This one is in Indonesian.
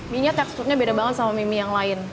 mie nya teksturnya beda banget sama mie mie yang lain